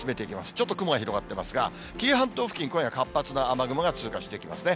ちょっと雲が広がってますが、紀伊半島付近、今夜、活発な雨雲が通過していきますね。